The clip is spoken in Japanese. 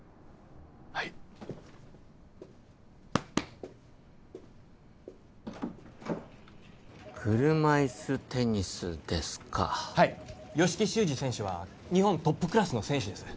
はい車いすテニスですかはい吉木修二選手は日本トップクラスの選手です